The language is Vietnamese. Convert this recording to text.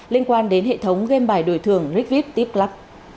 liên quan đến hệ thống game bài đổi thường rigvip tipclub